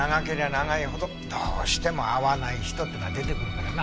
長いほどどうしても合わない人ってのは出てくるからな。